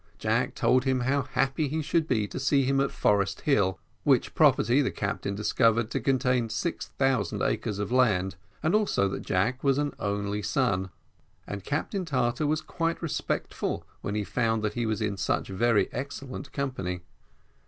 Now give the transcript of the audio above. Jack told him how happy he should be to see him at Forest Hill, which property the captain discovered to contain six thousand acres of land, and also that Jack was an only son; and Captain Tartar was quite respectful when he found that he was in such very excellent company.